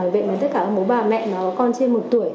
vậy mà tất cả bố bà mẹ có con trên một tuổi